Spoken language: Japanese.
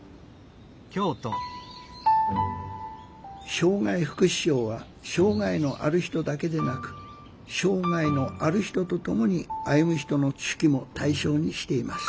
障害福祉賞は障害のある人だけでなく「障害のある人とともに歩む人」の手記も対象にしています。